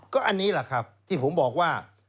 ก็อันนี้แหละครับที่ผมบอกว่า